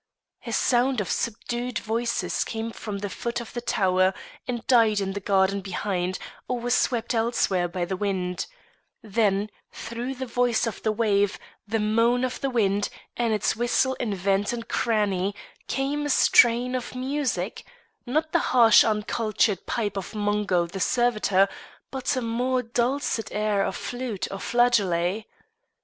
A sound of subdued voices came from the foot of the tower and died in the garden behind or was swept elsewhere by the wind; then, through the voice of the wave, the moan of the wind, and its whistle in vent and cranny, came a strain of music not the harsh uncultured pipe of Mungo the servitor, but a more dulcet air of flute or flageolet.